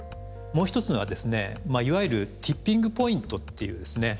もう一つにはですねいわゆる「ティッピング・ポイント」っていう。